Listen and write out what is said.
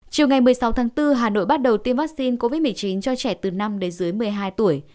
chiều ngày một mươi sáu tháng bốn hà nội bắt đầu tiêm vaccine covid một mươi chín cho trẻ từ năm đến dưới một mươi hai tuổi